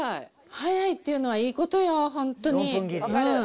速いっていうのはいいことよ、本当に。